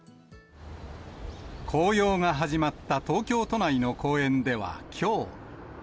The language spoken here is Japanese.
紅葉が始まった東京都内の公園では、きょう。